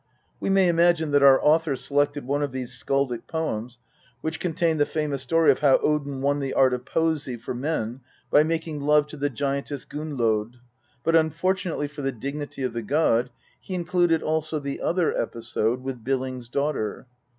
We may imagine that our author selected one of these skaldic poems which contained the famous story of how Odin won the art of poesy for men by making love to the giantess Gunnlod, but unfortunately for the dignity of the god, he included also the other episode with Billing's daughter.